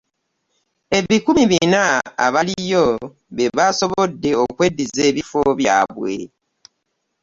Ebikumi Bina abaliyo be basobodde okweddiza ebifo byabwe